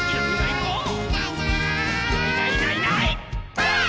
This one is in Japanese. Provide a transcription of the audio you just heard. ばあっ！